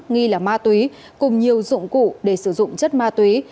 nghi là ma túy cùng nhiều dụng cụ để sử dụng chất ma túy